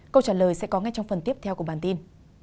câu trả lời sẽ có ngay trong phần tiếp theo của bản tin